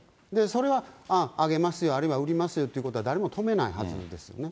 それは、ああ、あげますよ、あるいは売りますよということは、誰も止めないはずですよね。